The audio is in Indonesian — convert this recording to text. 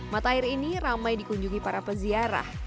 mata air ini ramai dikunjungi para peziarah